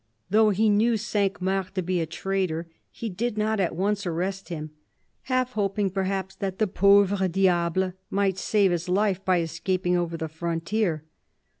Though he knew Cinq Mars to be a traitor, he did not at once arrest him, half hoping, perhaps, that the " pauvre diable " might save his life by escaping over the frontier.